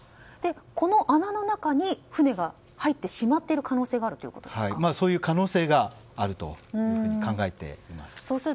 この穴の中に船が入ってしまっている可能性がそういう可能性があると考えています。